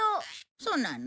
そうなの？